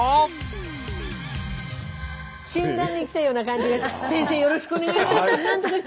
診断に来たような感じがして。